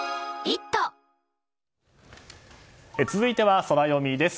続いてはソラよみです。